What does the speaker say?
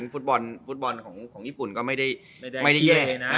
ถึงฟุตบอลของญี่ปุ่นก็ไม่ได้แย่